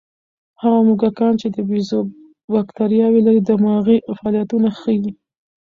هغه موږکان چې د بیزو بکتریاوې لري، دماغي فعالیتونه ښيي.